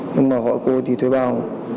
nhưng mà gọi cô thì thuê bao